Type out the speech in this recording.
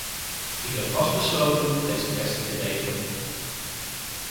Ik ben vastbesloten deze kwestie te regelen.